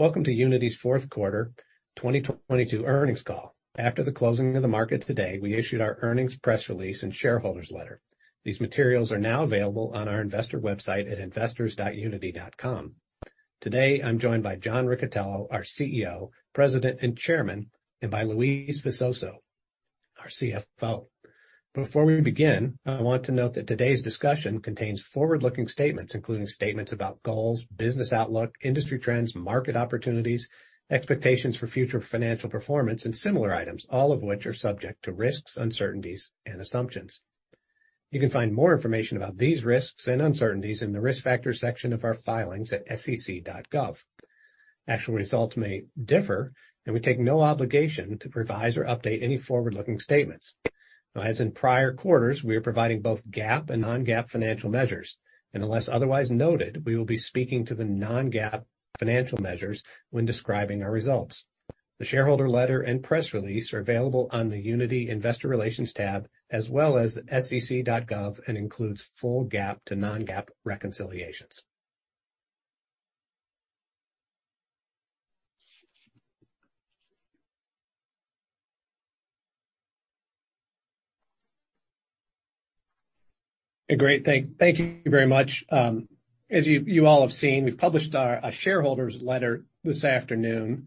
Welcome to Unity's 4th quarter, 2022 earnings call. After the closing of the market today, we issued our earnings press release and shareholders letter. These materials are now available on our investor website at investors.unity.com. Today, I'm joined by John Riccitiello, our CEO, President, and Chairman, and by Luis Visoso, our CFO. Before we begin, I want to note that today's discussion contains forward-looking statements, including statements about goals, business outlook, industry trends, market opportunities, expectations for future financial performance, and similar items, all of which are subject to risks, uncertainties, and assumptions. You can find more information about these risks and uncertainties in the Risk Factors section of our filings at sec.gov. Actual results may differ, and we take no obligation to revise or update any forward-looking statements. As in prior quarters, we are providing both GAAP and non-GAAP financial measures. Unless otherwise noted, we will be speaking to the non-GAAP financial measures when describing our results. The shareholder letter and press release are available on the Unity Investor Relations tab, as well as SEC.gov, and includes full GAAP to non-GAAP reconciliations. Great. Thank you very much. As you all have seen, we've published our shareholders letter this afternoon.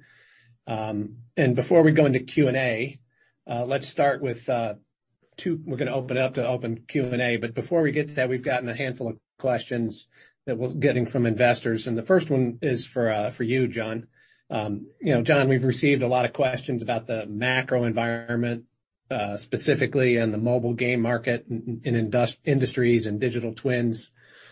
Before we go into Q&A, we're gonna open it up to open Q&A, but before we get to that, we've gotten a handful of questions that we're getting from investors, and the first one is for you, John. You know, John, we've received a lot of questions about the macro environment, specifically in the mobile game market industries and digital twins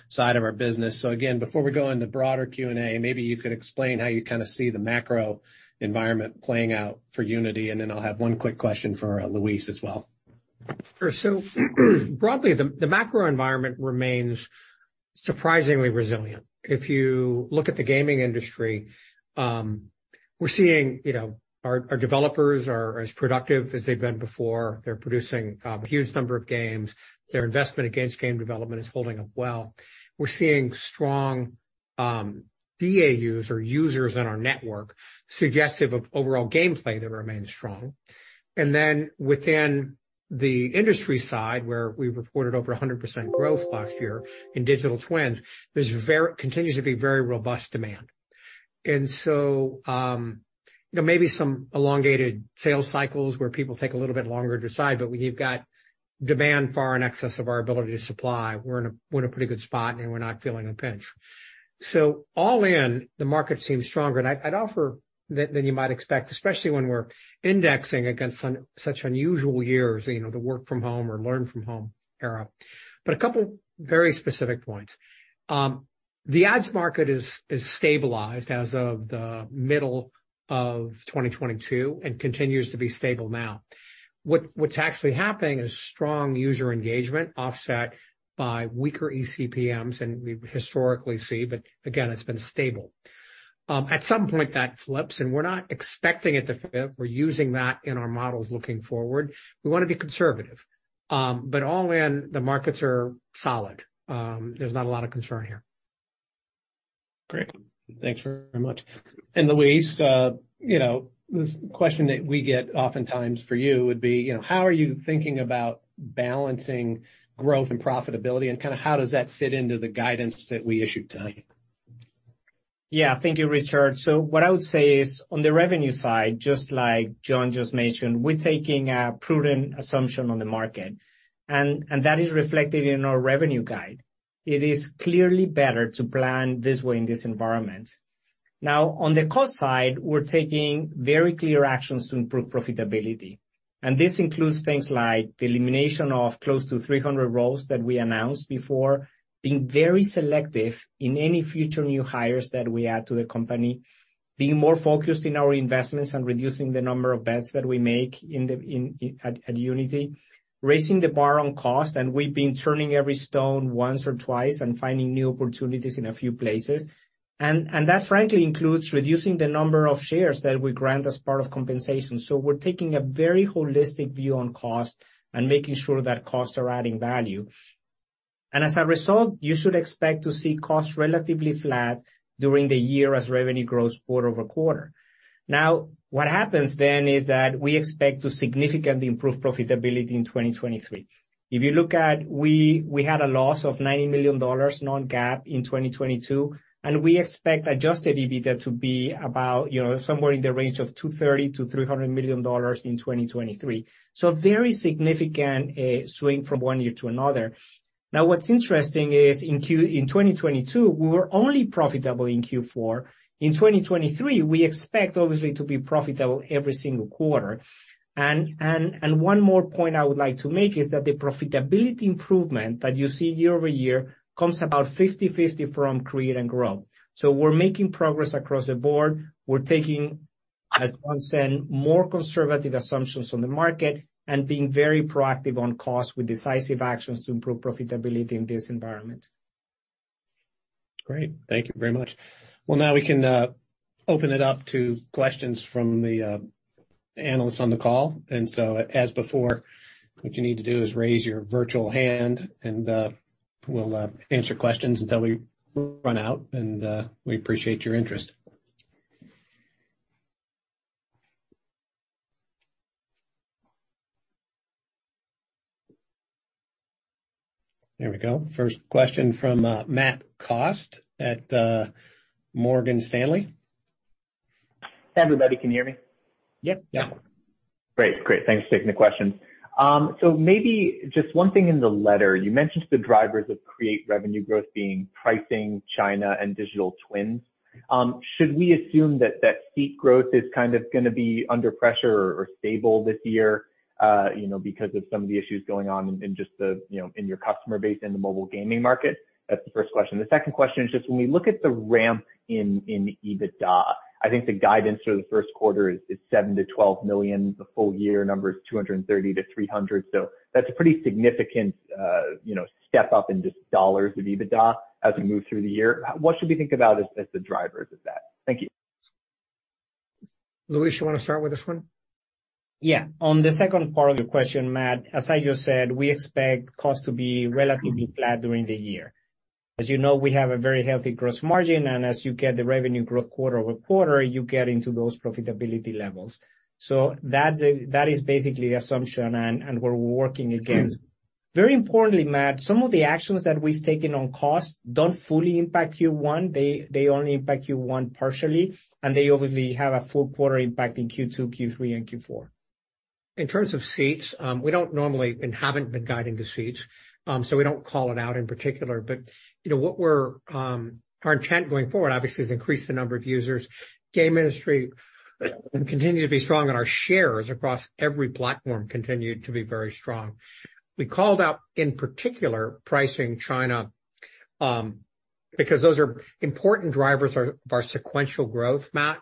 side of our business. Again, before we go into broader Q&A, maybe you could explain how you kinda see the macro environment playing out for Unity. Then I'll have one quick question for Luis as well. Sure. Broadly, the macro environment remains surprisingly resilient. If you look at the gaming industry, we're seeing, you know, our developers are as productive as they've been before. They're producing a huge number of games. Their investment against game development is holding up well. We're seeing strong DAU Users on our network, suggestive of overall gameplay that remains strong. Then within the industry side, where we reported over 100% growth last year in digital twins, there continues to be very robust demand. So, there may be some elongated sales cycles where people take a little bit longer to decide, but we've got demand far in excess of our ability to supply. We're in a pretty good spot, and we're not feeling the pinch. All in, the market seems stronger, and I'd offer than you might expect, especially when we're indexing against such unusual years, you know, the work-from-home or learn-from-home era. A couple of very specific points. The ads market is stabilized as of the middle of 2022 and continues to be stable now. What's actually happening is strong user engagement offset by weaker eCPMs than we've historically see, but again, it's been stable. At some point, that flips, and we're not expecting it to flip. We're using that in our models looking forward. We wanna be conservative. All in, the markets are solid. There's not a lot of concern here. Great. Thanks very much. Luis, you know, the question that we get oftentimes for you would be, you know, how are you thinking about balancing growth and profitability and kinda how does that fit into the guidance that we issued today? Yeah. Thank you, Richard. What I would say is, on the revenue side, just like John just mentioned, we're taking a prudent assumption on the market, and that is reflected in our revenue guide. It is clearly better to plan this way in this environment. Now, on the cost side, we're taking very clear actions to improve profitability, and this includes things like the elimination of close to 300 roles that we announced before, being very selective in any future new hires that we add to the company. Being more focused in our investments and reducing the number of bets that we make at Unity. Raising the bar on cost, we've been turning every stone once or twice and finding new opportunities in a few places, and that frankly includes reducing the number of shares that we grant as part of compensation. We're taking a very holistic view on cost and making sure that costs are adding value. As a result, you should expect to see costs relatively flat during the year as revenue grows quarter-over-quarter. What happens then is that we expect to significantly improve profitability in 2023. If you look at we had a loss of $90 million non-GAAP in 2022, and we expect adjusted EBITDA to be about, you know, somewhere in the range of $230 million-$300 million in 2023. A very significant swing from one year to another. What's interesting is in 2022, we were only profitable in Q4. In 2023, we expect obviously to be profitable every single quarter. One more point I would like to make is that the profitability improvement that you see year-over-year comes about 50/50 from Create and Grow. We're making progress across the board. We're taking, as John said, more conservative assumptions on the market and being very proactive on cost with decisive actions to improve profitability in this environment. Great. Thank you very much. Well, now we can open it up to questions from the analysts on the call. As before, what you need to do is raise your virtual hand and we'll answer questions until we run out, and we appreciate your interest. There we go. First question from Matt Cost at Morgan Stanley. Hi, everybody. Can you hear me? Yep. Yeah. Great, great. Thanks for taking the question. Maybe just one thing in the letter, you mentioned the drivers of Create revenue growth being pricing, China and digital twins. Should we assume that seat growth is kind of gonna be under pressure or stable this year, you know, because of some of the issues going on in just the, you know, in your customer base, in the mobile gaming market? That's the first question. The second question is just when we look at the ramp in EBITDA, I think the guidance for the first quarter is $7 million-$12 million. The full year number is $230 million-$300 million. That's a pretty significant, you know, step up in just dollars of EBITDA as we move through the year. What should we think about as the drivers of that? Thank you. Luis, you wanna start with this one? Yeah. On the second part of your question, Matt, as I just said, we expect cost to be relatively flat during the year. As you know, we have a very healthy gross margin, and as you get the revenue growth quarter-over-quarter, you get into those profitability levels. That is basically the assumption and we're working against. Very importantly, Matt, some of the actions that we've taken on costs don't fully impact Q1. They only impact Q1 partially, and they obviously have a full quarter impact in Q2, Q3, and Q4. In terms of seats, we don't normally and haven't been guiding to seats, so we don't call it out in particular. You know, what our intent going forward obviously is increase the number of users. Game industry continue to be strong, and our shares across every platform continued to be very strong. We called out in particular pricing China, because those are important drivers of our sequential growth, Matt.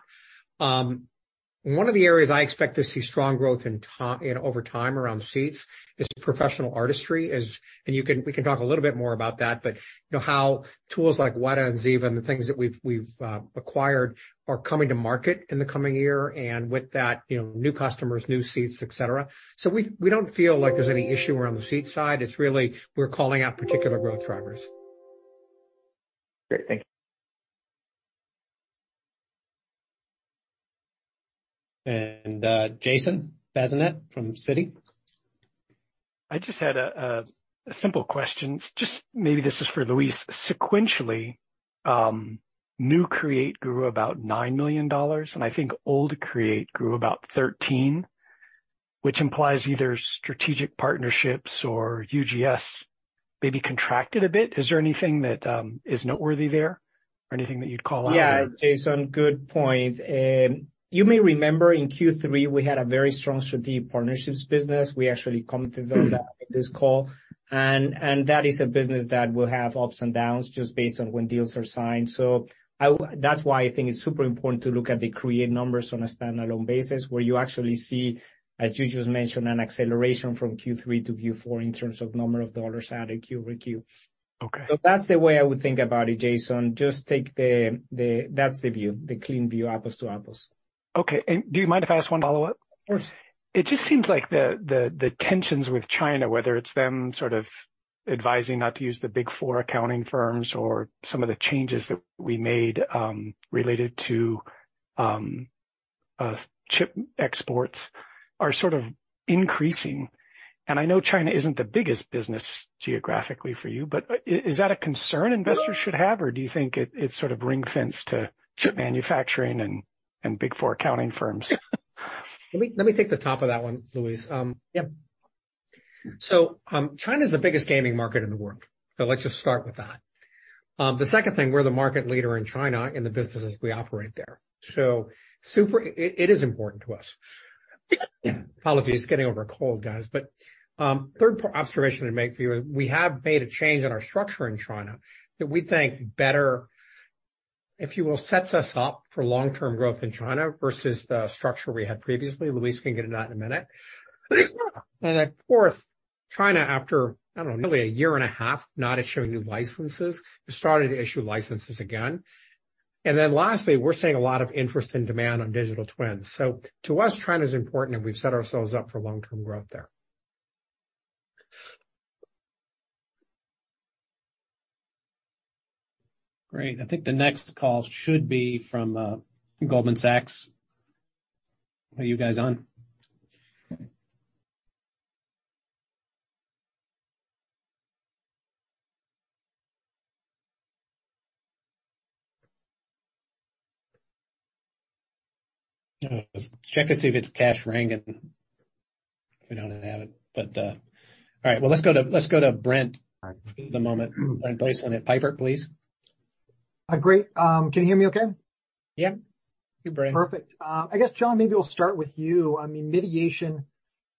One of the areas I expect to see strong growth over time around seats is professional artistry as. We can talk a little bit more about that. You know how tools like Weta and Ziva and the things that we've acquired are coming to market in the coming year, and with that, you know, new customers, new seats, et cetera. We don't feel like there's any issue around the seat side. It's really we're calling out particular growth drivers. Great. Thank you. Jason Bazinet from Citi. I just had a simple question. Just maybe this is for Luis. Sequentially, new Create grew about $9 million, and I think old Create grew about $13 million, which implies either strategic partnerships or UGS maybe contracted a bit. Is there anything that is noteworthy there or anything that you'd call out? Yeah, Jason, good point. You may remember in Q3, we had a very strong strategic partnerships business. We actually commented on that in this call. That is a business that will have ups and downs just based on when deals are signed. That's why I think it's super important to look at the Create numbers on a standalone basis where you actually see, as you just mentioned, an acceleration from Q3 to Q4 in terms of number of dollars added Q over Q. Okay. That's the way I would think about it, Jason. That's the view, the clean view, apples to apples. Okay. Do you mind if I ask one follow-up? Of course. It just seems like the tensions with China, whether it's them sort of advising not to use the big four accounting firms or some of the changes that we made, related to chip exports are sort of increasing. I know China isn't the biggest business geographically for you, but is that a concern investors should have, or do you think it's sort of ring-fenced to chip manufacturing and big four accounting firms? Let me take the top of that one, Luis. Yeah. China's the biggest gaming market in the world. Let's just start with that. The second thing, we're the market leader in China in the businesses we operate there. It is important to us. Apologies, getting over a cold, guys. Third observation I'd make for you, we have made a change in our structure in China that we think better, if you will, sets us up for long-term growth in China versus the structure we had previously. Luis can get into that in a minute. Fourth, China, after, I don't know, nearly a year and a half not issuing new licenses, has started to issue licenses again. Lastly, we're seeing a lot of interest and demand on digital twins. To us, China's important, and we've set ourselves up for long-term growth there. Great. I think the next call should be from, Goldman Sachs. Are you guys on? Let's check to see if it's Kash Rangan, if we don't have it. All right, well, let's go to Brent for the moment. Brent Thill at Jefferies, please. Great. Can you hear me okay? Yeah. Perfect. I guess, John, maybe we'll start with you. I mean, mediation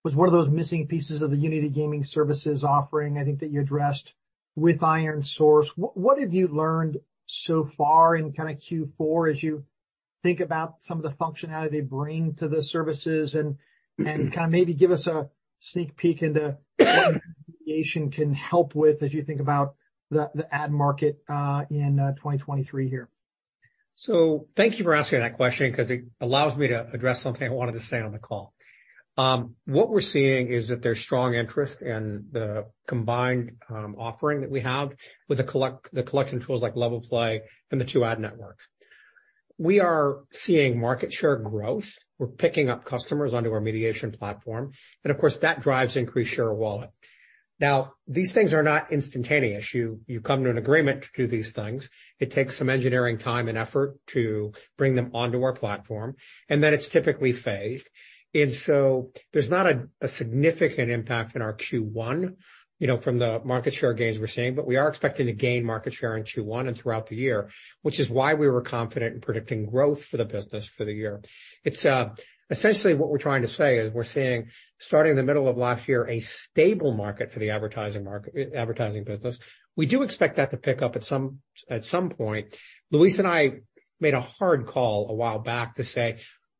was one of those missing pieces of the Unity Gaming Services offering, I think that you addressed with ironSource. What have you learned so far in kinda Q4 as you Think about some of the functionality they bring to the services and kind of maybe give us a sneak peek into what mediation can help with as you think about the ad market, in 2023 here. Thank you for asking that question because it allows me to address something I wanted to say on the call. What we're seeing is that there's strong interest in the combined offering that we have with the collection tools like LevelPlay and the two ad networks. We are seeing market share growth. We're picking up customers onto our mediation platform, and of course, that drives increased share of wallet. Now, these things are not instantaneous. You come to an agreement to do these things. It takes some engineering time and effort to bring them onto our platform, and then it's typically phased. There's not a significant impact in our Q1, you know, from the market share gains we're seeing, but we are expecting to gain market share in Q1 and throughout the year, which is why we were confident in predicting growth for the business for the year. It's essentially what we're trying to say is we're seeing, starting in the middle of last year, a stable market for the advertising business. We do expect that to pick up at some point. Luis and I made a hard call a while back to say,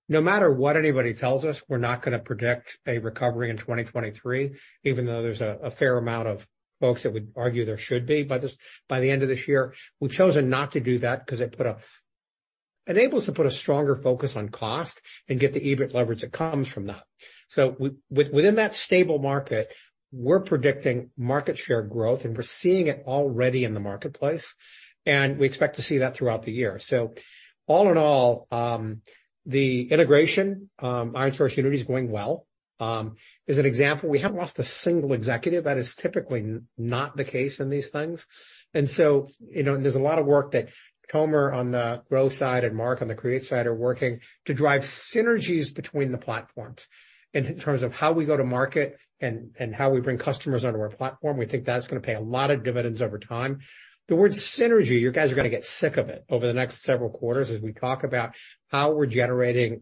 "No matter what anybody tells us, we're not gonna predict a recovery in 2023," even though there's a fair amount of folks that would argue there should be by this, by the end of this year. We've chosen not to do that because it put a... enables to put a stronger focus on cost and get the EBIT leverage that comes from that. within that stable market, we're predicting market share growth, and we're seeing it already in the marketplace, and we expect to see that throughout the year. all in all, the integration, ironSource Unity is going well. As an example, we haven't lost a single executive. That is typically not the case in these things. you know, there's a lot of work that Omer on the growth side and Mark on the create side are working to drive synergies between the platforms in terms of how we go to market and how we bring customers onto our platform. We think that's gonna pay a lot of dividends over time. The word synergy, you guys are gonna get sick of it over the next several quarters as we talk about how we're generating,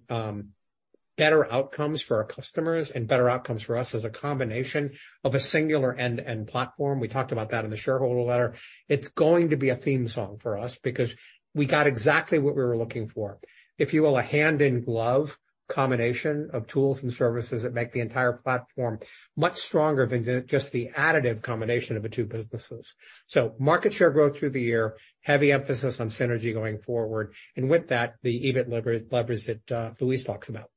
better outcomes for our customers and better outcomes for us as a combination of a singular end-to-end platform. We talked about that in the shareholder letter. It's going to be a theme song for us because we got exactly what we were looking for. If you will, a hand-in-glove combination of tools and services that make the entire platform much stronger than just the additive combination of the two businesses. Market share growth through the year, heavy emphasis on synergy going forward. With that, the EBIT leverage that, Luis talks about.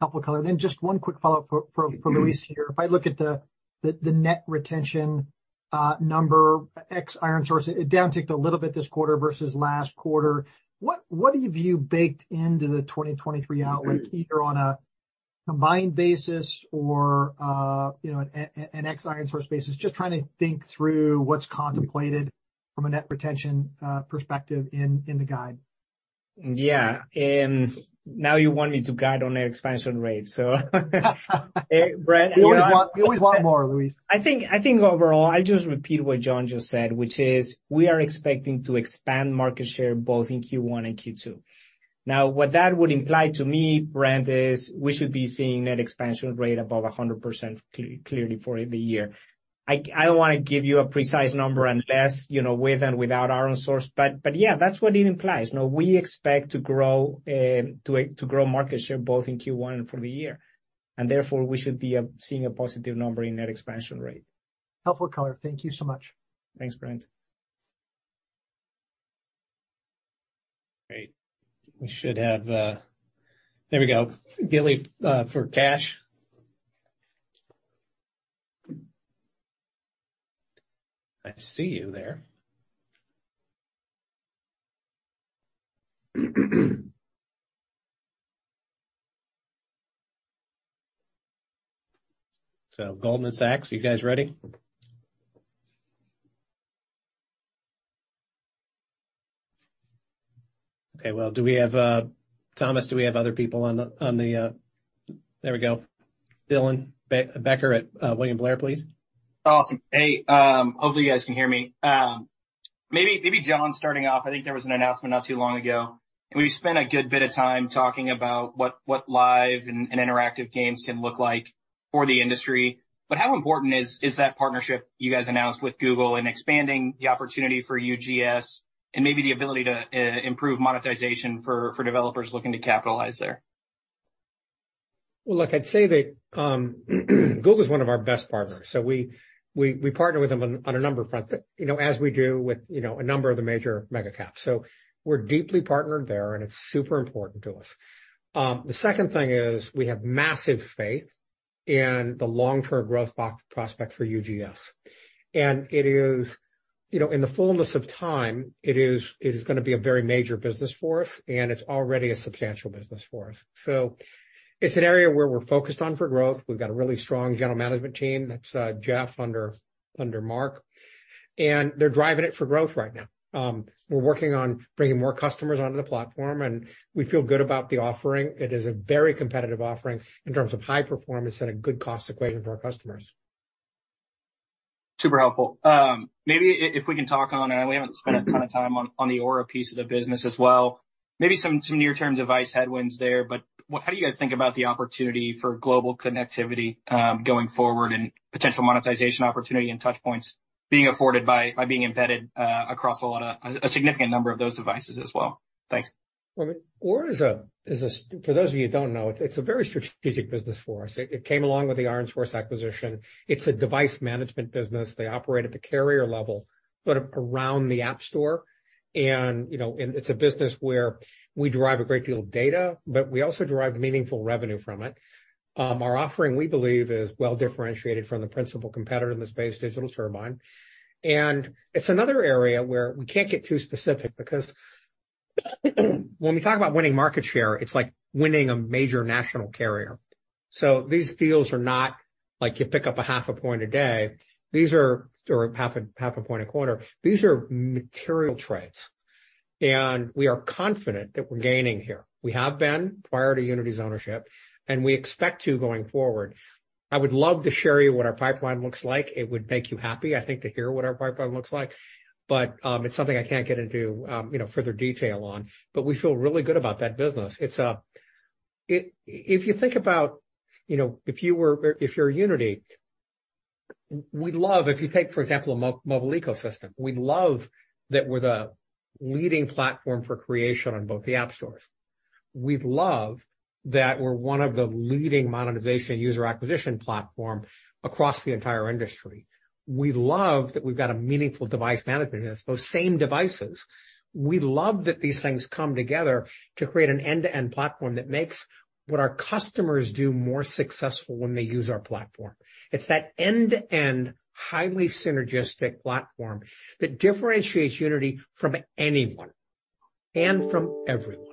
Helpful color. Just one quick follow-up for Luis here. If I look at the net retention number ex ironSource, it downticked a little bit this quarter versus last quarter. What have you baked into the 2023 outlook, either on a combined basis or, you know, an ex ironSource basis? Just trying to think through what's contemplated from a net retention perspective in the guide. Yeah. Now you want me to guide on the expansion rate. Hey, Brent- You always want more, Luis. I think overall, I'll just repeat what John just said, which is we are expecting to expand market share both in Q1 and Q2. Now, what that would imply to me, Brent, is we should be seeing net expansion rate above 100% clearly for the year. I don't wanna give you a precise number unless, you know, with and without ironSource, but yeah, that's what it implies. You know, we expect to grow, to grow market share both in Q1 and for the year, and therefore, we should be seeing a positive number in net expansion rate. Helpful color. Thank you so much. Thanks, Brent. Great. We should have. There we go. Gili, for Cash. I see you there. Goldman Sachs, are you guys ready? Okay. Do we have Thomas, do we have other people on the, on the. There we go. Dylan Becker at William Blair, please. Awesome. Hey, hopefully you guys can hear me. John starting off, I think there was an announcement not too long ago. We've spent a good bit of time talking about what live and interactive games can look like for the industry. How important is that partnership you guys announced with Google in expanding the opportunity for UGS and maybe the ability to improve monetization for developers looking to capitalize there? Look, I'd say that Google's one of our best partners. We partner with them on a number of fronts, you know, as we do with, you know, a number of the major mega caps. We're deeply partnered there, and it's super important to us. The second thing is we have massive faith in the long-term growth prospect for UGS. It is, you know, in the fullness of time, it is gonna be a very major business for us, and it's already a substantial business for us. It's an area where we're focused on for growth. We've got a really strong general management team. That's Jeff under Mark, and they're driving it for growth right now. We're working on bringing more customers onto the platform, and we feel good about the offering. It is a very competitive offering in terms of high performance and a good cost equation to our customers. Super helpful. Maybe if we can talk on, we haven't spent a ton of time on the Aura piece of the business as well. Maybe some near-term device headwinds there, but how do you guys think about the opportunity for global connectivity going forward and potential monetization opportunity and touch points being afforded by being embedded across a lot of a significant number of those devices as well? Thanks. Aura for those of you who don't know, it's a very strategic business for us. It came along with the ironSource acquisition. It's a device management business. They operate at the carrier level, but around the App Store. You know, it's a business where we derive a great deal of data, but we also derive meaningful revenue from it. Our offering, we believe, is well-differentiated from the principal competitor in the space, Digital Turbine. It's another area where we can't get too specific because when we talk about winning market share, it's like winning a major national carrier. These deals are not like you pick up a half a point a day. Or half a point a quarter. These are material trades. We are confident that we're gaining here. We have been prior to Unity's ownership. We expect to going forward. I would love to share you what our pipeline looks like. It would make you happy, I think, to hear what our pipeline looks like. It's something I can't get into, you know, further detail on, but we feel really good about that business. It's if you think about, you know, if you're Unity, if you take, for example, a mobile ecosystem, we love that we're the leading platform for creation on both the App Stores. We love that we're one of the leading monetization user acquisition platform across the entire industry. We love that we've got a meaningful device management business, those same devices. We love that these things come together to create an end-to-end platform that makes what our customers do more successful when they use our platform. It's that end-to-end, highly synergistic platform that differentiates Unity from anyone and from everyone.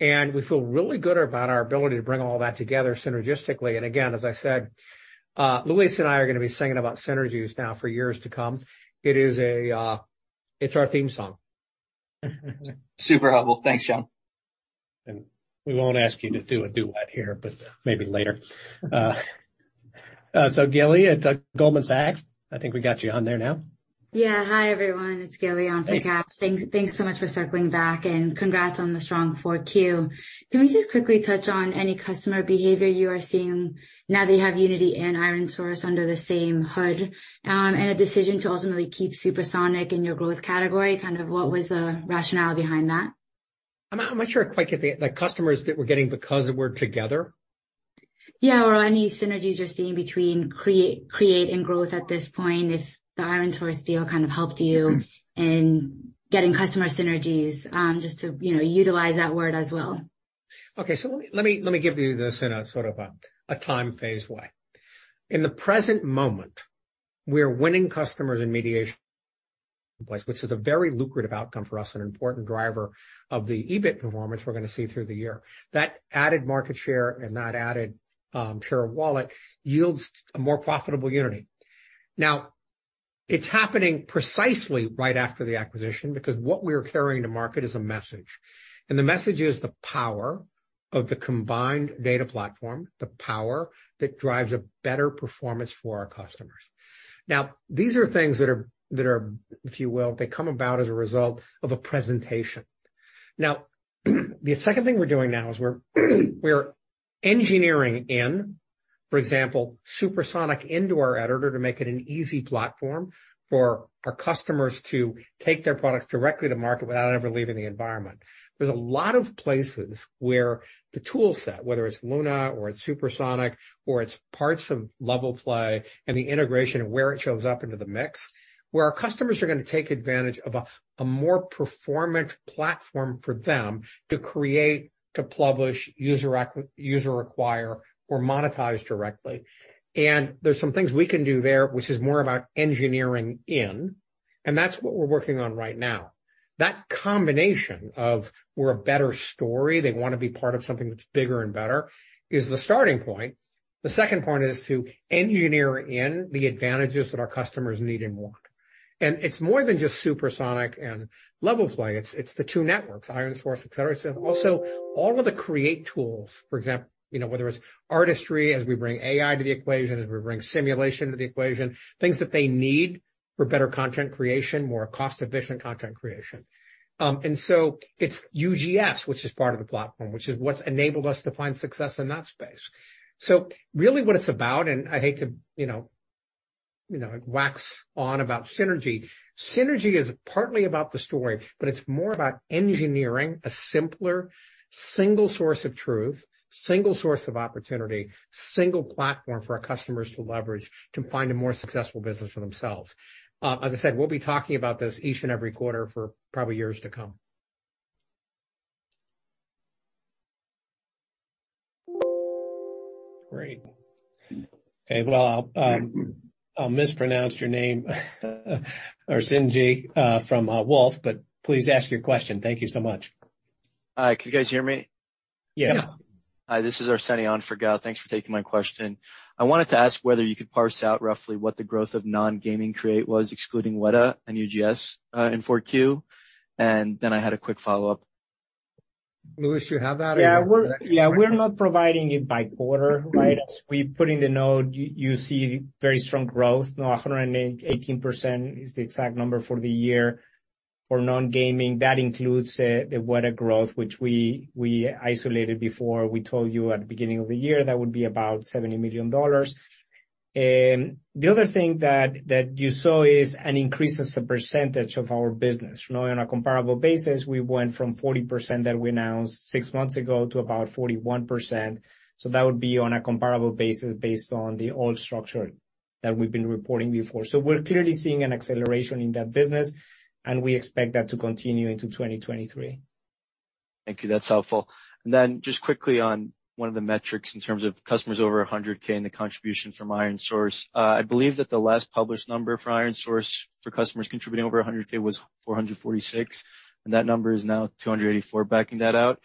We feel really good about our ability to bring all that together synergistically. Again, as I said, Luis and I are gonna be singing about synergies now for years to come. It is a, it's our theme song. Super helpful. Thanks, John. We won't ask you to do a duet here, but maybe later. Gili at Goldman Sachs, I think we got you on there now. Yeah. Hi, everyone. It's Gili on for Kash. Thanks so much for circling back, and congrats on the strong 4Q. Can we just quickly touch on any customer behavior you are seeing now that you have Unity and ironSource under the same hood, and a decision to ultimately keep Supersonic in your growth category? Kind of what was the rationale behind that? I'm not sure I quite get the customers that we're getting because we're together? Yeah, or any synergies you're seeing between Create and Grow at this point, if the ironSource deal kind of helped you in getting customer synergies, just to, you know, utilize that word as well. Okay. Let me give you this in a sort of a time phase way. In the present moment, we're winning customers in mediation place, which is a very lucrative outcome for us, an important driver of the EBIT performance we're gonna see through the year. That added market share and that added share of wallet yields a more profitable Unity. It's happening precisely right after the acquisition because what we are carrying to market is a message, and the message is the power of the combined data platform, the power that drives a better performance for our customers. These are things that are, if you will, they come about as a result of a presentation. Now, the second thing we're doing now is we are engineering in, for example, Supersonic into our editor to make it an easy platform for our customers to take their products directly to market without ever leaving the environment. There's a lot of places where the tool set, whether it's Luna or it's Supersonic or it's parts of LevelPlay and the integration of where it shows up into the mix, where our customers are gonna take advantage of a more performant platform for them to create, to publish, user acquire or monetize directly. There's some things we can do there, which is more about engineering in, and that's what we're working on right now. That combination of we're a better story, they wanna be part of something that's bigger and better, is the starting point. The second point is to engineer in the advantages that our customers need and want. It's more than just Supersonic and LevelPlay. It's the two networks, ironSource, et cetera. It's also all of the Create tools. For example, you know, whether it's Artistry, as we bring AI to the equation, as we bring simulation to the equation, things that they need for better content creation, more cost-efficient content creation. It's UGS, which is part of the platform, which is what's enabled us to find success in that space. Really what it's about, and I hate to, you know, wax on about synergy. Synergy is partly about the story, but it's more about engineering a simpler single source of truth, single source of opportunity, single platform for our customers to leverage to find a more successful business for themselves. As I said, we'll be talking about this each and every quarter for probably years to come. Great. Okay. Well, I'll mispronounce your name, Arsenjie, from Wolfe Research, but please ask your question. Thank you so much. Hi. Can you guys hear me? Yes. Hi. This is Arsenjie on for Gal. Thanks for taking my question. I wanted to ask whether you could parse out roughly what the growth of non-gaming create was, excluding Weta and UGS, in 4Q, and then I had a quick follow-up. Luis, you have that or you wanna take that? We're, yeah, we're not providing it by quarter, right? As we put in the note, you see very strong growth. Now 118% is the exact number for the year. For non-gaming, that includes the Weta growth which we isolated before. We told you at the beginning of the year that would be about $70 million. The other thing you saw is an increase as a percentage of our business. You know, on a comparable basis, we went from 40% that we announced six months ago to about 41%. That would be on a comparable basis based on the old structure that we've been reporting before. We're clearly seeing an acceleration in that business, and we expect that to continue into 2023. Thank you. That's helpful. Just quickly on one of the metrics in terms of customers over 100K and the contribution from ironSource. I believe that the last published number for ironSource for customers contributing over 100K was 446, and that number is now 284 backing that out.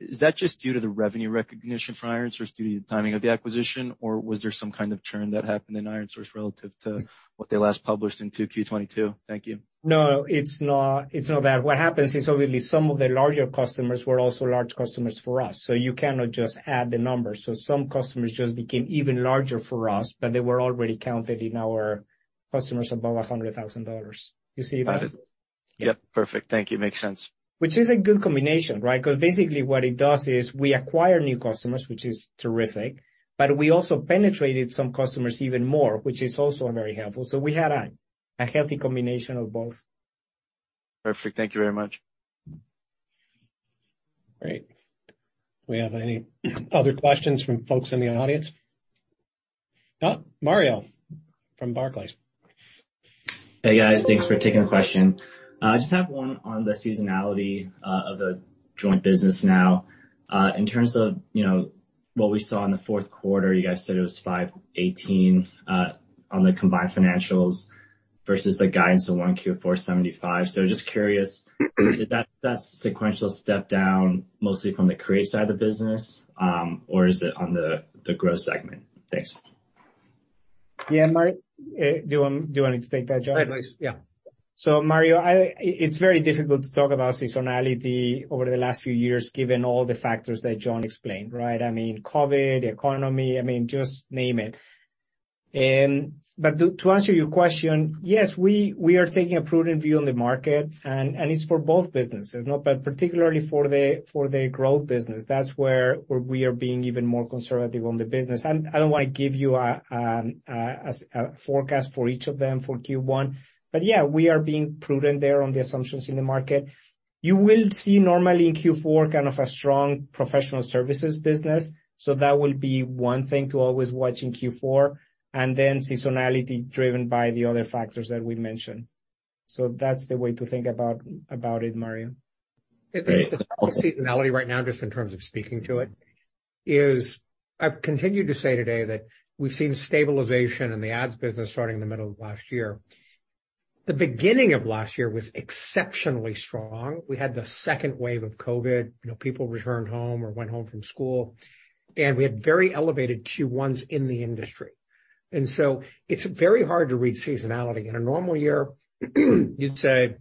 Is that just due to the revenue recognition for ironSource due to the timing of the acquisition, or was there some kind of churn that happened in ironSource relative to what they last published into Q22? Thank you. No, it's not, it's not that. What happens is, obviously, some of their larger customers were also large customers for us, so you cannot just add the numbers. Some customers just became even larger for us, but they were already counted in our customers above $100,000. You see that? Got it. Yep, perfect. Thank you. Makes sense. Which is a good combination, right? Because basically what it does is we acquire new customers, which is terrific, but we also penetrated some customers even more, which is also very helpful. We had a healthy combination of both. Perfect. Thank you very much. Great. Do we have any other questions from folks in the audience? Mario from Barclays. Hey, guys. Thanks for taking the question. I just have one on the seasonality of the joint business now. In terms of, you know, what we saw in the fourth quarter, you guys said it was $518 on the combined financials versus the guidance of one Q $475. Just curious, is that sequential step down mostly from the Create side of the business, or is it on the Grow Solutions segment? Thanks. Yeah. Do you want me to take that, John? By all means, yeah. Mario, It's very difficult to talk about seasonality over the last few years, given all the factors that John explained, right? I mean, COVID, the economy, I mean, just name it. to answer your question, yes, we are taking a prudent view on the market and, it's for both businesses, you know, but particularly for the Growth Business. That's where we are being even more conservative on the business. I don't want to give you a forecast for each of them for Q1, yeah, we are being prudent there on the assumptions in the market. You will see normally in Q4 kind of a strong professional services business, that will be one thing to always watch in Q4, then seasonality driven by the other factors that we mentioned. That's the way to think about it, Mario. Great. The seasonality right now, just in terms of speaking to it, is I've continued to say today that we've seen stabilization in the ads business starting in the middle of last year. The beginning of last year was exceptionally strong. We had the second wave of COVID. You know, people returned home or went home from school. We had very elevated Q ones in the industry. It's very hard to read seasonality. In a normal year, you'd say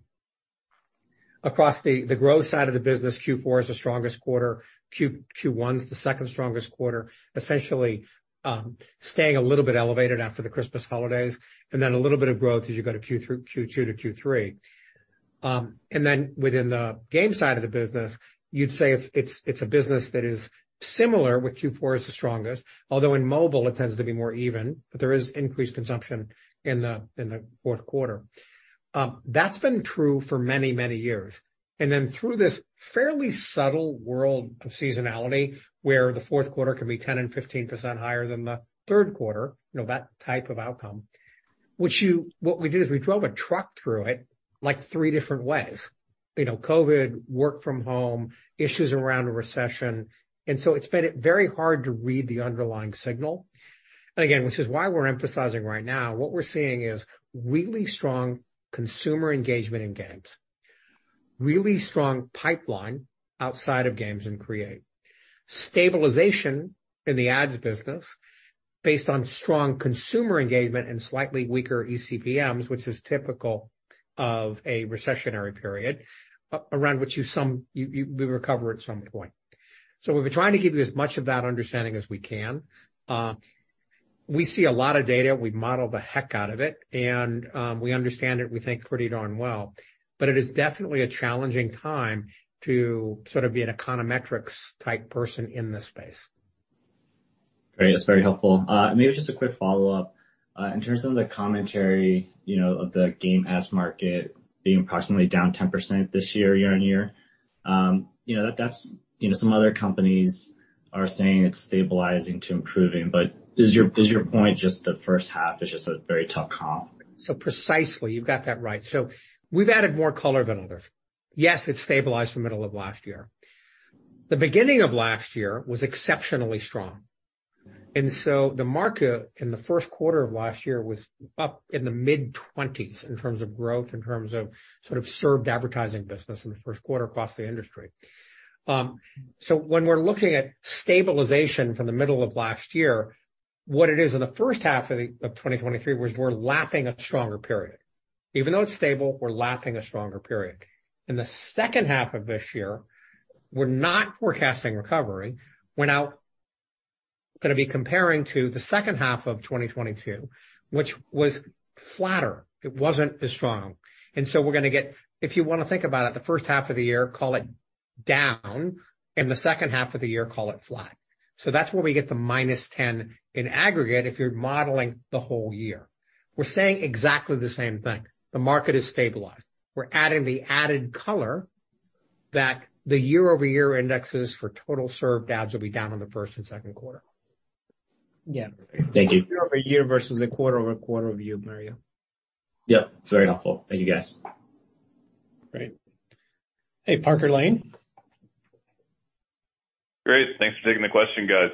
across the Growth side of the business, Q four is the strongest quarter, Q one is the second strongest quarter, essentially, staying a little bit elevated after the Christmas holidays, and then a little bit of growth as you go to Q two to Q three. Within the Games side of the business, you'd say it's a business that is similar with Q4 as the strongest, although in mobile it tends to be more even, but there is increased consumption in the fourth quarter. That's been true for many, many years. Through this fairly subtle world of seasonality, where the fourth quarter can be 10% and 15% higher than the third quarter, you know, that type of outcome. What we did is we drove a truck through it like three different ways. You know, COVID, work from home, issues around a recession. It's made it very hard to read the underlying signal. Again, which is why we're emphasizing right now, what we're seeing is really strong consumer engagement in Games, really strong pipeline outside of Games and Create. Stabilization in the ads business based on strong consumer engagement and slightly weaker eCPMs, which is typical of a recessionary period, around which we recover at some point. We've been trying to give you as much of that understanding as we can. We see a lot of data, we model the heck out of it, and we understand it, we think, pretty darn well. It is definitely a challenging time to sort of be an econometrics type person in this space. Great. That's very helpful. Maybe just a quick follow-up. In terms of the commentary, you know, of the game as market being approximately down 10% this year-over-year, you know, that's, you know, some other companies are saying it's stabilizing to improving, but is your point just the first half is just a very tough comp? Precisely. You've got that right. We've added more color than others. Yes, it stabilized the middle of last year. The beginning of last year was exceptionally strong, and so the market in the first quarter of last year was up in the mid-20s in terms of growth, in terms of sort of served advertising business in the first quarter across the industry. When we're looking at stabilization from the middle of last year, what it is in the first half of 2023 was we're lapping a stronger period. Even though it's stable, we're lapping a stronger period. In the second half of this year, we're not forecasting recovery. We're gonna be comparing to the second half of 2022, which was flatter. It wasn't as strong. We're gonna get... If you wanna think about it, the first half of the year, call it down, and the second half of the year, call it flat. That's where we get the -10 in aggregate if you're modeling the whole year. We're saying exactly the same thing. The market has stabilized. We're adding the added color that the year-over-year indexes for total served ads will be down in the first and second quarter. Yeah. Thank you. Year-over-year versus a quarter-over-quarter view, Mario. Yep, it's very helpful. Thank you, guys. Great. Hey, Parker Lane. Great. Thanks for taking the question, guys.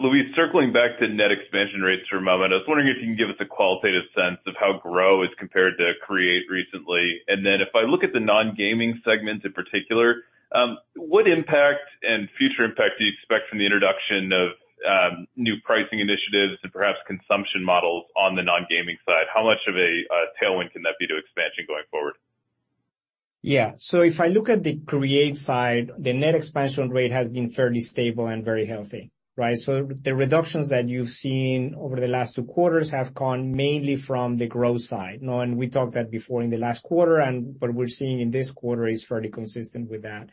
Luis, circling back to net expansion rates for a moment, I was wondering if you can give us a qualitative sense of how Grow is compared to Create recently. If I look at the non-gaming segment in particular, what impact and future impact do you expect from the introduction of new pricing initiatives and perhaps consumption models on the non-gaming side? How much of a tailwind can that be to expansion going forward? If I look at the Create side, the net expansion rate has been fairly stable and very healthy, right? The reductions that you've seen over the last two quarters have gone mainly from the Grow side. You know, we talked that before in the last quarter, and what we're seeing in this quarter is fairly consistent with that.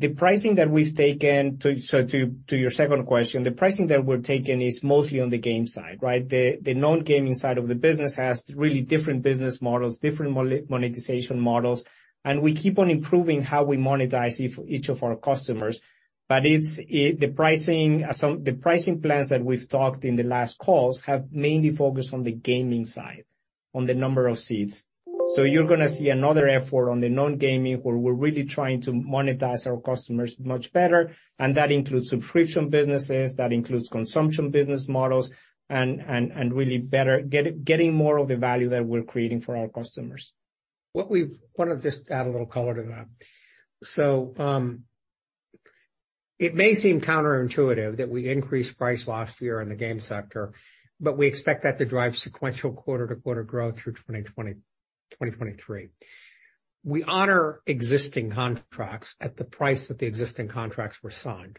The pricing that we've taken to your second question, the pricing that we're taking is mostly on the game side, right? The non-gaming side of the business has really different business models, different monetization models, and we keep on improving how we monetize each of our customers. The pricing plans that we've talked in the last calls have mainly focused on the gaming side, on the number of seats. You're gonna see another effort on the non-gaming, where we're really trying to monetize our customers much better, and that includes subscription businesses, that includes consumption business models, and really better getting more of the value that we're creating for our customers. Wanna just add a little color to that. It may seem counterintuitive that we increased price last year in the game sector, but we expect that to drive sequential quarter-to-quarter growth through 2020, 2023. We honor existing contracts at the price that the existing contracts were signed.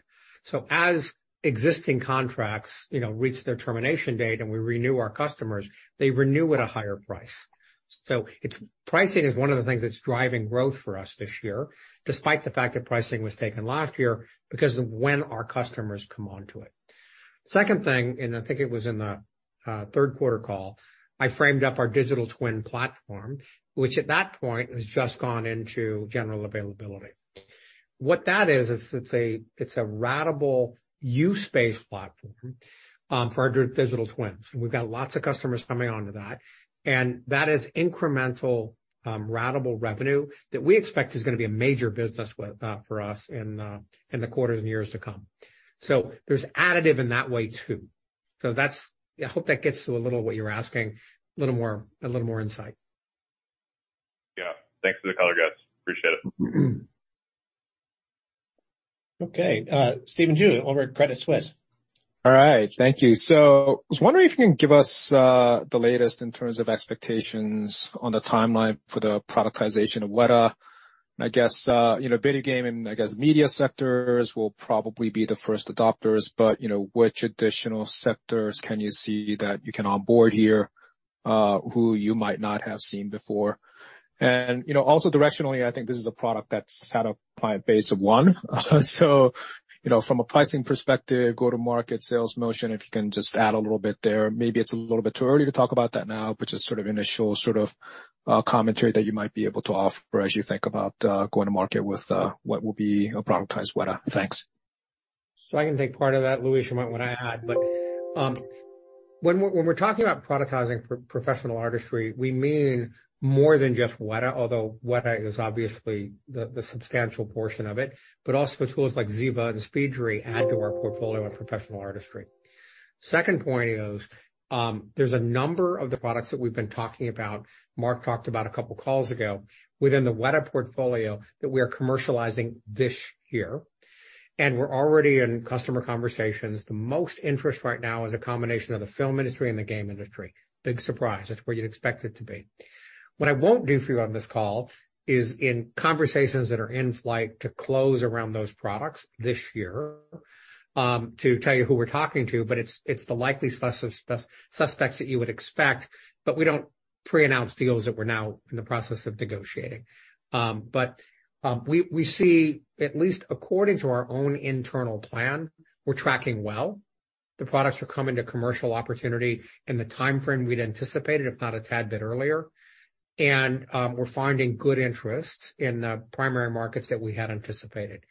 As existing contracts, you know, reach their termination date and we renew our customers, they renew at a higher price. Pricing is one of the things that's driving growth for us this year, despite the fact that pricing was taken last year, because of when our customers come onto it. Second thing, and I think it was in the third quarter call, I framed up our digital twin platform, which at that point has just gone into general availability. What that is it's a ratable use space platform, for our digital twins. We've got lots of customers coming onto that, and that is incremental, ratable revenue that we expect is gonna be a major business with for us in the quarters and years to come. There's additive in that way too. I hope that gets to a little what you were asking, a little more insight. Yeah. Thanks for the color, guys. Appreciate it. Okay. Stephen Ju over at Credit Suisse. All right. Thank you. I was wondering if you can give us the latest in terms of expectations on the timeline for the productization of Weta. I guess, you know, video gaming, I guess, media sectors will probably be the first adopters, but, you know, which additional sectors can you see that you can onboard here who you might not have seen before? You know, also directionally, I think this is a product that's had a client base of one. You know, from a pricing perspective, go-to-market sales motion, if you can just add a little bit there. Maybe it's a little bit too early to talk about that now, but just sort of initial, sort of, commentary that you might be able to offer as you think about going to market with what will be a productized Weta. Thanks. I can take part of that, Luis. You might wanna add, but when we're talking about productizing professional artistry, we mean more than just Weta, although Weta is obviously the substantial portion of it, but also tools like Ziva and SpeedTree add to our portfolio of professional artistry. Second point is, there's a number of the products that we've been talking about, Mark talked about a couple calls ago, within the Weta portfolio that we are commercializing this year, and we're already in customer conversations. The most interest right now is a combination of the film industry and the game industry. Big surprise. That's where you'd expect it to be. What I won't do for you on this call is in conversations that are in flight to close around those products this year, to tell you who we're talking to, but it's the likely suspects that you would expect, but we don't pre-announce deals that we're now in the process of negotiating. We see, at least according to our own internal plan, we're tracking well. The products are coming to commercial opportunity in the timeframe we'd anticipated, if not a tad bit earlier. We're finding good interest in the primary markets that we had anticipated.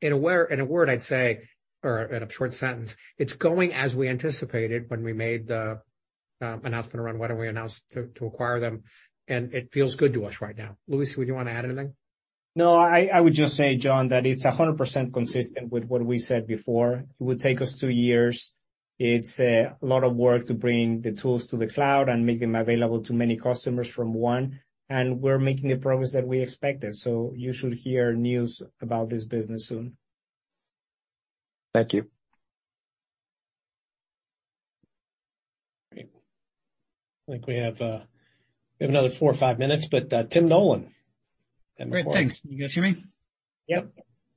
In a word I'd say, or in a short sentence, it's going as we anticipated when we made the announcement around Weta, we announced to acquire them, and it feels good to us right now. Luis, would you wanna add anything? No. I would just say, John, that it's 100% consistent with what we said before. It would take us two years. It's a lot of work to bring the tools to the cloud and make them available to many customers from one, and we're making the progress that we expected, so you should hear news about this business soon. Thank you. Great. I think we have another four or five minutes, but, Tim Nollen. Great. Thanks. Can you guys hear me? Yep.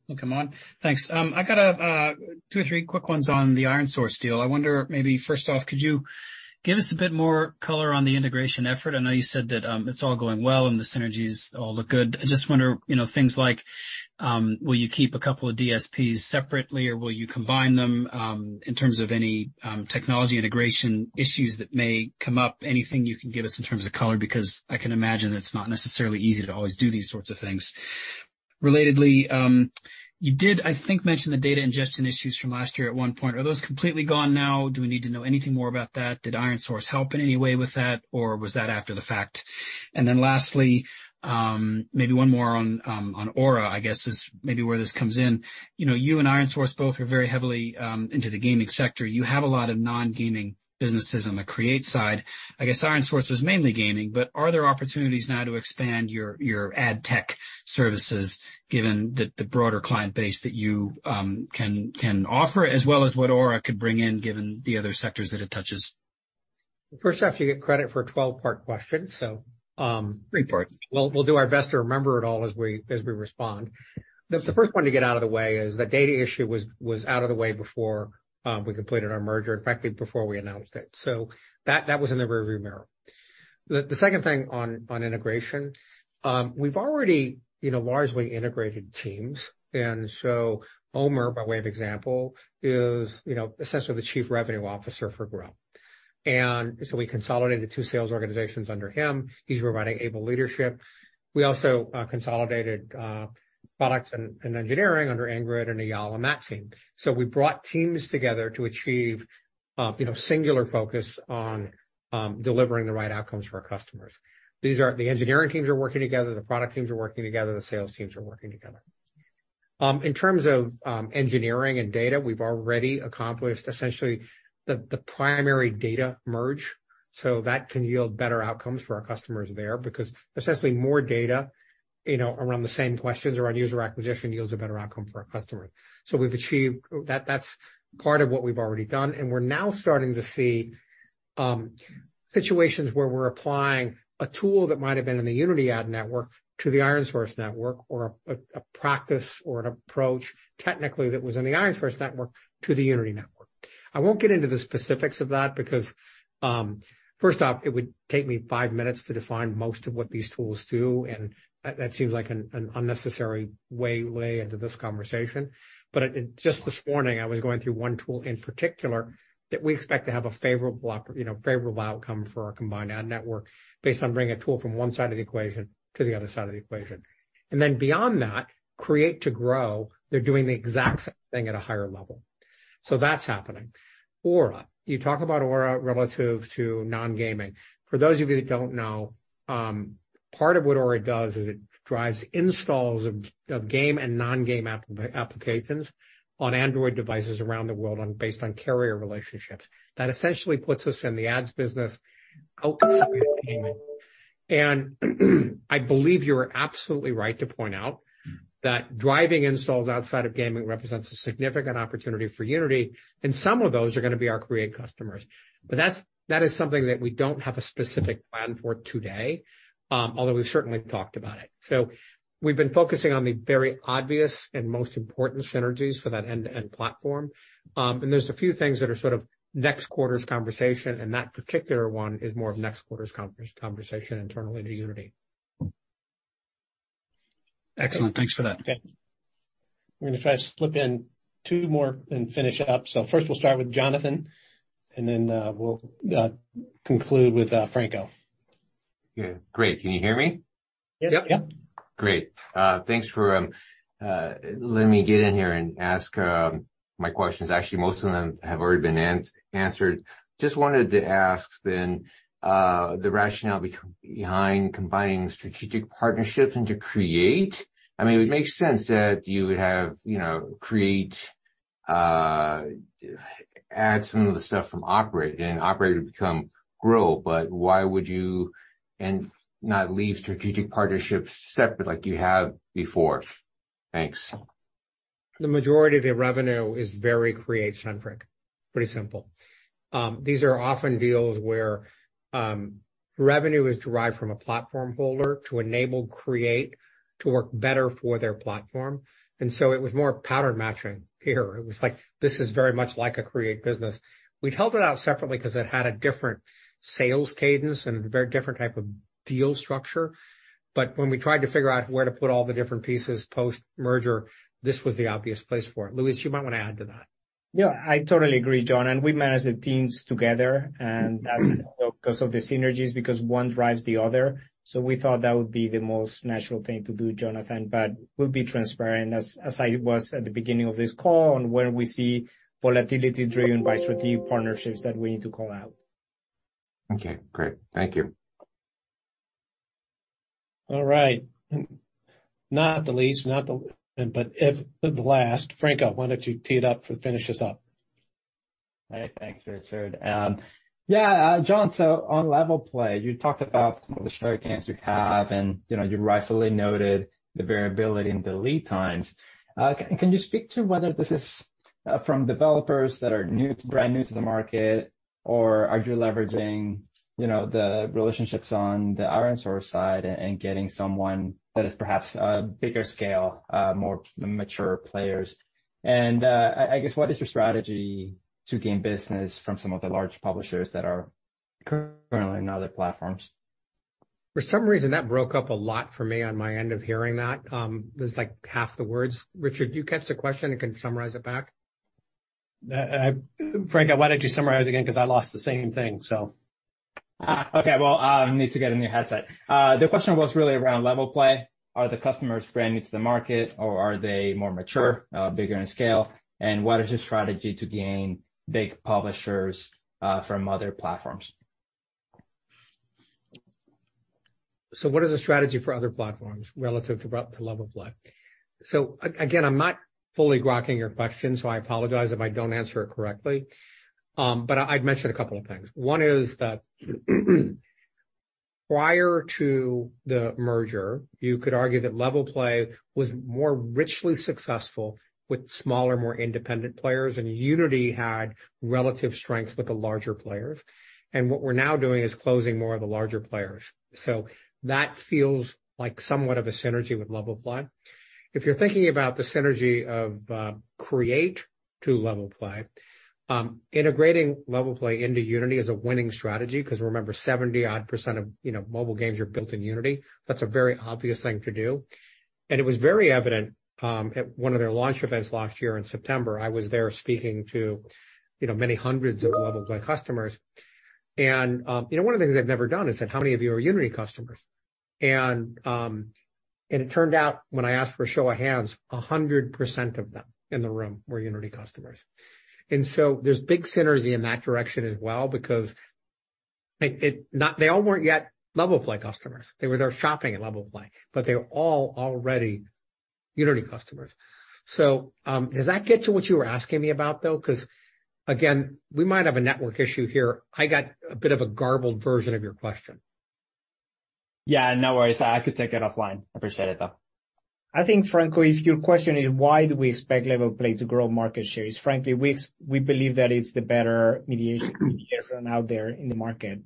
Welcome on. Thanks. I got a two or three quick ones on the ironSource deal. I wonder, maybe first off, could you give us a bit more color on the integration effort? I know you said that it's all going well and the synergies all look good. I just wonder, you know, things like, will you keep a couple of DSPs separately, or will you combine them in terms of any technology integration issues that may come up? Anything you can give us in terms of color, because I can imagine it's not necessarily easy to always do these sorts of things. Relatedly, you did, I think, mention the data ingestion issues from last year at one point. Are those completely gone now? Do we need to know anything more about that? Did ironSource help in any way with that, or was that after the fact? Lastly, maybe one more on Aura, I guess, is maybe where this comes in. You know, you and ironSource both are very heavily into the gaming sector. You have a lot of non-gaming businesses on the Create side. I guess ironSource is mainly gaming, but are there opportunities now to expand your ad tech services given the broader client base that you can offer, as well as what Aura could bring in, given the other sectors that it touches? First off, you get credit for a 12-part question, so. Three parts.... we'll do our best to remember it all as we respond. The first one to get out of the way is the data issue was out of the way before we completed our merger, in fact, before we announced it. That was in the rearview mirror. The second thing on integration, we've already, you know, largely integrated teams. Omer, by way of example, is, you know, essentially the Chief Revenue Officer for Grow. We consolidated two sales organizations under him. He's providing able leadership. We also consolidated product and engineering under Ingrid and Eyal on that team. We brought teams together to achieve, you know, singular focus on delivering the right outcomes for our customers. The engineering teams are working together, the product teams are working together, the sales teams are working together. In terms of engineering and data, we've already accomplished essentially the primary data merge, so that can yield better outcomes for our customers there, because essentially more data, you know, around the same questions around user acquisition yields a better outcome for our customers. We've achieved that's part of what we've already done, and we're now starting to see situations where we're applying a tool that might have been in the Unity ad network to the ironSource network or a practice or an approach technically that was in the ironSource network to the Unity network. I won't get into the specifics of that because first off, it would take me five minutes to define most of what these tools do, and that seems like an unnecessary way into this conversation. Just this morning, I was going through one tool in particular that we expect to have a favorable you know, favorable outcome for our combined ad network based on bringing a tool from 1 side of the equation to the other side of the equation. Beyond that, Create to Grow, they're doing the exact same thing at a higher level. That's happening. Aura. You talk about Aura relative to non-gaming. For those of you that don't know, part of what Aura does is it drives installs of game and non-game applications on Android devices around the world based on carrier relationships. That essentially puts us in the ads business outside of gaming. I believe you're absolutely right to point out that driving installs outside of gaming represents a significant opportunity for Unity, and some of those are gonna be our Create customers. That is something that we don't have a specific plan for today, although we've certainly talked about it. We've been focusing on the very obvious and most important synergies for that end-to-end platform. There's a few things that are sort of next quarter's conversation, and that particular one is more of next quarter's conversation internally to Unity. Excellent. Thanks for that. Okay. We're going to try to slip in two more and finish it up. First we'll start with Jonathan, and then we'll conclude with Franco. Yeah. Great. Can you hear me? Yes. Yeah. Great. Thanks for letting me get in here and ask my questions. Actually, most of them have already been answered. Just wanted to ask the rationale behind combining strategic partnerships into Create. I mean, it would make sense that you would have, you know, Create add some of the stuff from Operate and Operate would become Grow, but why would you and not leave strategic partnerships separate like you have before? Thanks. The majority of the revenue is very Create-centric. Pretty simple. These are often deals where revenue is derived from a platform holder to enable Create to work better for their platform. It was more pattern matching here. It was like, this is very much like a Create business. We'd held it out separately because it had a different sales cadence and a very different type of deal structure. When we tried to figure out where to put all the different pieces post-merger, this was the obvious place for it. Luis, you might want to add to that. Yeah, I totally agree, John. We manage the teams together, and that's because of the synergies, because one drives the other. We thought that would be the most natural thing to do, Jonathan. We'll be transparent as I was at the beginning of this call on where we see volatility driven by strategic partnerships that we need to call out. Okay. Great. Thank you. All right. Not the least, but if the last, Franco, why don't you tee it up for finish this up. All right. Thanks, Richard. Yeah, John, on LevelPlay, you talked about some of the strengths you have and, you know, you rightfully noted the variability in the lead times. Can you speak to whether this is from developers that are new, brand new to the market or are you leveraging, you know, the relationships on the ironSource side and getting someone that is perhaps a bigger scale, more mature players? I guess, what is your strategy to gain business from some of the large publishers that are currently in other platforms? For some reason, that broke up a lot for me on my end of hearing that, there's like half the words. Richard, did you catch the question and can summarize it back? Franco, why don't you summarize again, 'cause I lost the same thing, so. Okay. Well, I need to get a new headset. The question was really around LevelPlay. Are the customers brand new to the market or are they more mature, bigger in scale? What is your strategy to gain big publishers from other platforms? What is the strategy for other platforms relative to LevelPlay? Again, I'm not fully grokking your question, so I apologize if I don't answer it correctly. But I'd mention a couple of things. One is that prior to the merger, you could argue that LevelPlay was more richly successful with smaller, more independent players, and Unity had relative strength with the larger players. What we're now doing is closing more of the larger players. That feels like somewhat of a synergy with LevelPlay. If you're thinking about the synergy of Create to LevelPlay, integrating LevelPlay into Unity is a winning strategy, 'cause remember, 70 odd % of, you know, mobile games are built in Unity. That's a very obvious thing to do. It was very evident at one of their launch events last year in September. I was there speaking to, you know, many hundreds of LevelPlay customers. You know, one of the things they've never done is said, "How many of you are Unity customers?" It turned out when I asked for a show of hands, 100% of them in the room were Unity customers. There's big synergy in that direction as well because it. Not. They all weren't yet LevelPlay customers. They were there shopping at LevelPlay, but they were all already Unity customers. Does that get to what you were asking me about, though? 'Cause again, we might have a network issue here. I got a bit of a garbled version of your question. Yeah, no worries. I could take it offline. Appreciate it, though. I think, Franco, if your question is why do we expect LevelPlay to grow market shares, frankly, we believe that it's the better mediation out there in the market.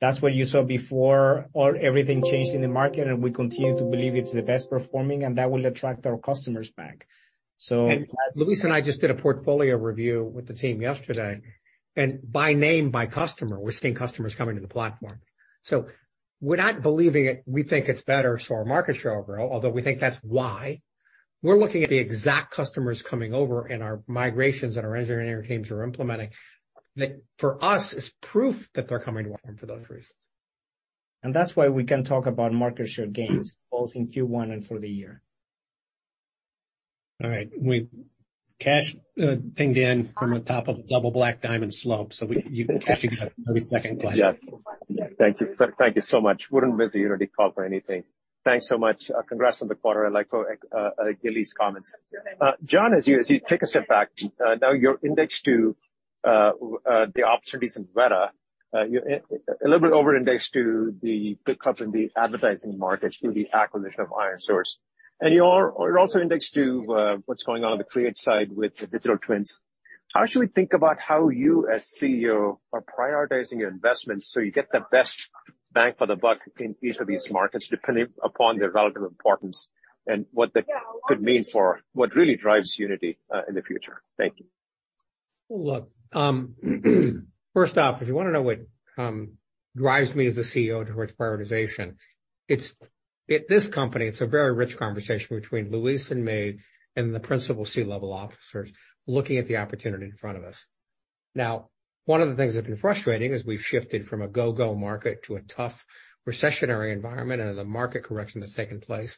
That's what you saw before all, everything changed in the market, and we continue to believe it's the best performing, and that will attract our customers back. That's. Luis and I just did a portfolio review with the team yesterday, and by name, by customer, we're seeing customers coming to the platform. We're not believing it. We think it's better. Our market share will grow, although we think that's why. We're looking at the exact customers coming over and our migrations that our engineering teams are implementing, that for us is proof that they're coming to our platform for those reasons. That's why we can talk about market share gains both in Q1 and for the year. All right. Kash pinged in from the top of Level Black Diamond slope, we, you, Kash, you got maybe a second question. Yeah. Thank you. Thank you so much. Wouldn't miss the Unity call for anything. Thanks so much. Congrats on the quarter. I'd like for Giles' comments. John, as you take a step back, now you're indexed to the opportunities in Weta. You're a little bit over-indexed to the big companies in the advertising markets through the acquisition of ironSource. You're also indexed to what's going on in the Create side with the digital twins. How should we think about how you as CEO are prioritizing your investments, so you get the best bang for the buck in each of these markets, depending upon their relative importance and what that could mean for what really drives Unity in the future? Thank you. look, first off, if you wanna know what drives me as a CEO towards prioritization. At this company, it's a very rich conversation between Luis and me and the principal C-level officers looking at the opportunity in front of us. One of the things that have been frustrating as we've shifted from a go-go market to a tough recessionary environment and the market correction that's taken place,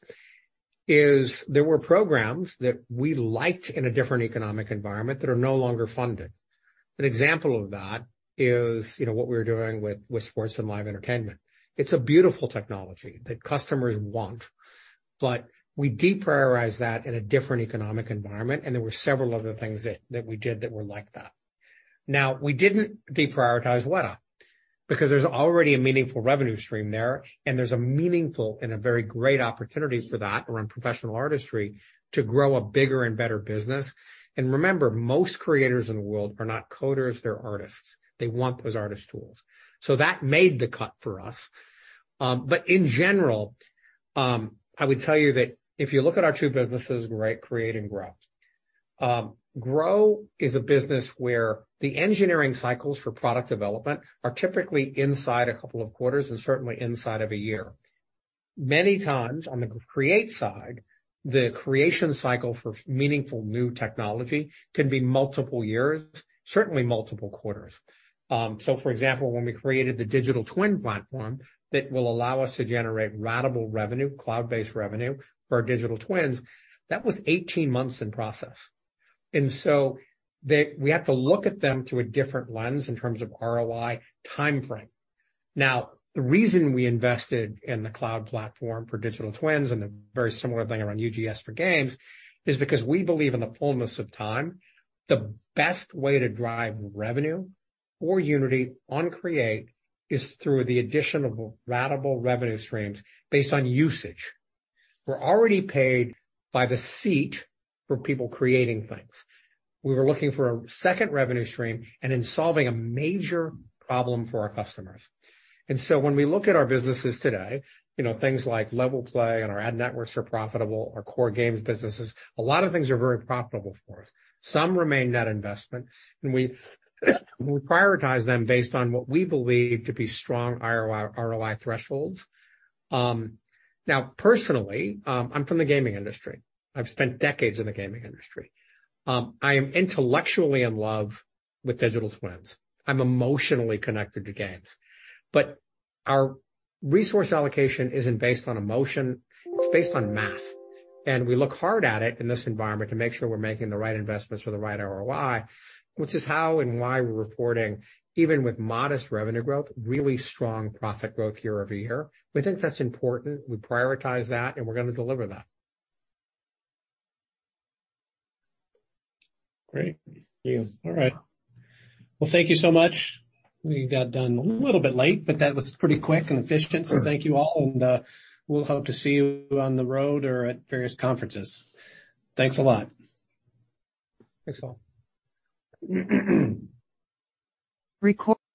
is there were programs that we liked in a different economic environment that are no longer funded. An example of that is, you know, what we were doing with sports and live entertainment. It's a beautiful technology that customers want, but we deprioritized that in a different economic environment, and there were several other things that we did that were like that. We didn't deprioritize Weta because there's already a meaningful revenue stream there, and there's a meaningful and a very great opportunity for that around professional artistry to grow a bigger and better business. Remember, most creators in the world are not coders, they're artists. They want those artist tools. That made the cut for us. In general, I would tell you that if you look at our two businesses, right, Create and Grow is a business where the engineering cycles for product development are typically inside a couple of quarters and certainly inside of a year. Many times on the Create side, the creation cycle for meaningful new technology can be multiple years, certainly multiple quarters. For example, when we created the digital twin platform that will allow us to generate ratable revenue, cloud-based revenue for our digital twins, that was 18 months in process. We have to look at them through a different lens in terms of ROI timeframe. Now, the reason we invested in the cloud platform for digital twins and the very similar thing around UGS for games is because we believe in the fullness of time, the best way to drive revenue for Unity on Create is through the addition of ratable revenue streams based on usage. We're already paid by the seat for people creating things. We were looking for a second revenue stream and in solving a major problem for our customers. When we look at our businesses today, you know, things like LevelPlay and our ad networks are profitable, our core games businesses, a lot of things are very profitable for us. Some remain net investment, and we prioritize them based on what we believe to be strong IR-ROI thresholds. Now personally, I'm from the gaming industry. I've spent decades in the gaming industry. I am intellectually in love with digital twins. I'm emotionally connected to games. Our resource allocation isn't based on emotion, it's based on math. We look hard at it in this environment to make sure we're making the right investments for the right ROI, which is how and why we're reporting, even with modest revenue growth, really strong profit growth year-over-year. We think that's important. We prioritize that, and we're gonna deliver that. Great. Thank you. All right. Well, thank you so much. We got done a little bit late, but that was pretty quick and efficient. Thank you all, and we'll hope to see you on the road or at various conferences. Thanks a lot. Thanks, all. Recor-